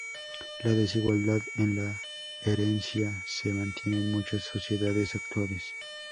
La desigualdad en la herencia se mantiene en muchas sociedades actuales.